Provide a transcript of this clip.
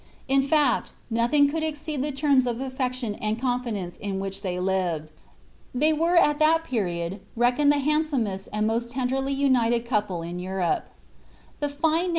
In tact, nothing could exceed tlie terms of afTeciion and eonHilrnce in which they livuil. They were at that period reckonetl the liandsomest anil most tenderly unileil couple in Europe The line na